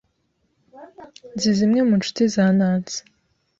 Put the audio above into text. Nzi zimwe mu nshuti za Nancy.